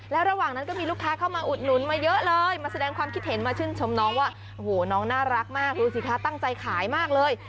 แล้วระหว่างนั้นก็มีลูกค้าเข้ามาอุดหนุนมาเยอะเลยมาแสดงความคิดเห็นมาชื่นชมน้องว่าโอ้โหน้องน่ารักมากดูสิคะตั้งใจขายมากเลย